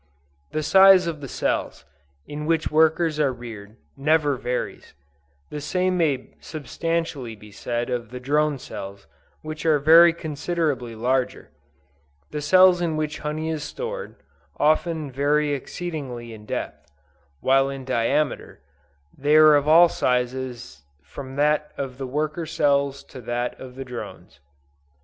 The size of the cells, in which workers are reared, never varies: the same may substantially be said of the drone cells which are very considerably larger; the cells in which honey is stored, often vary exceedingly in depth, while in diameter, they are of all sizes from that of the worker cells to that of the drones.